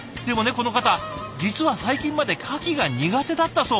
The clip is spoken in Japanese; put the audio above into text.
この方実は最近までカキが苦手だったそう。